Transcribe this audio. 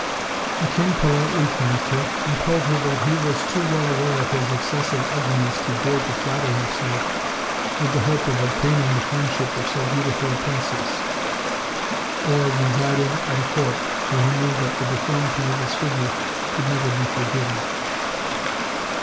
The king politely thanked her; and told her that he was too well aware of his excessive ugliness to dare to flatter him self with the hope of obaining the friendship of so beau tiful a princess; or of residing at a court where he knew that the deformity of his figure could never be forgiven.